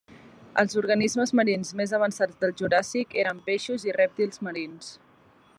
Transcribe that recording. Els organismes marins més avançats del Juràssic eren peixos i rèptils marins.